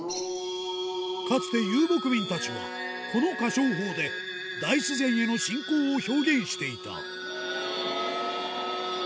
かつて遊牧民たちはこの歌唱法で大自然への信仰を表現していた